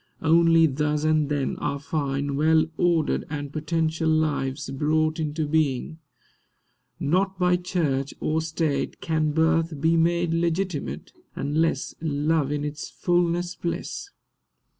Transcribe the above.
Only thus and then Are fine, well ordered, and potential lives Brought into being. Not by Church or State Can birth be made legitimate, Unless Love in its fulness bless.